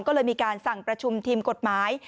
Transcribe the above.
ก็เลยมีการสั่งประชุมทีมกฎหมาย